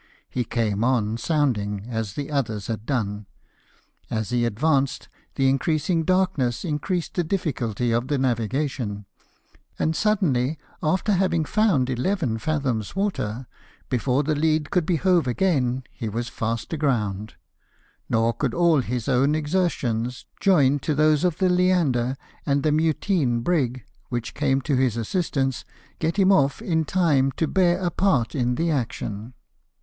He came on sounding, as the others had done ; as he advanced, the increasing darkness increased the difficulty of the navigation ; and suddenly, after ' having found eleven fathoms' water, before the lead could be hove again, he was fast aground ; nor could all his own exertions, joined to those of the Leander and the llittine brig, which came to his assistance, get him off in time to bear a part in the action.